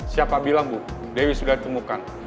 siapa bilang bu dewi sudah ditemukan